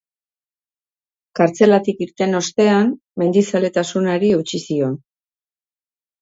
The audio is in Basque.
Kartzelatik irten ostean mendizaletasunari eutsi zion.